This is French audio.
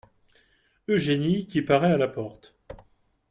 Eugénie qui paraît à la porte.